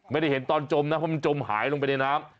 ไม่ได้เห็นตอนจมนะเพราะมันจมหายลงไปในน้ำ